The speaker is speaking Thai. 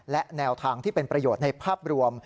และแนวทางที่เป็นประโยชน์ในภาพรวม